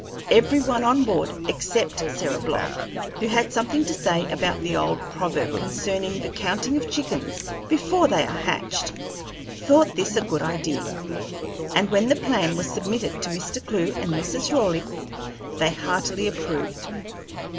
Every one on board except Sarah Block, who had something to say about the old proverb concerning the counting of chickens before they are hatched thought this a good idea, and when the plan was submitted to Mr. Clewe and Mrs. Raleigh, they heartily approved.